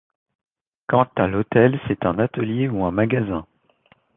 Quant à l'hôtel, c'est un atelier ou un magasin.